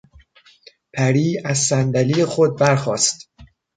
پری از صندلی خود برخاست.